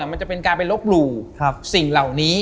มันจะเป็นการไปลบหลู่สิ่งเหล่านี้